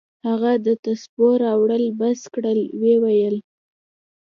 هغه د تسبو اړول بس كړل ويې ويل.